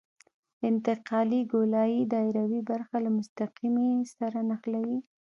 انتقالي ګولایي دایروي برخه له مستقیمې سره نښلوي